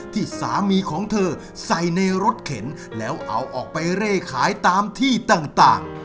ที่สามีของเธอใส่ในรถเข็นแล้วเอาออกไปเร่ขายตามที่ต่าง